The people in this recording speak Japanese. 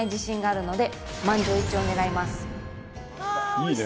いいね